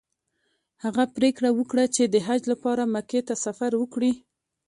هغه پریکړه وکړه چې د حج لپاره مکې ته سفر وکړي.